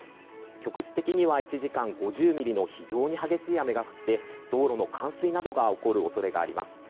局地的には１時間５０ミリの非常に激しい雨が降って道路の冠水などが起こる恐れがあります。